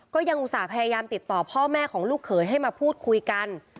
อุตส่าห์พยายามติดต่อพ่อแม่ของลูกเขยให้มาพูดคุยกัน